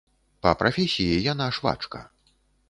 Па прафесіі яна швачка.